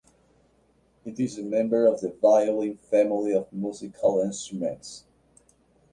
It is a member of the violin family of musical instruments.